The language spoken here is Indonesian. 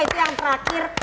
itu yang terakhir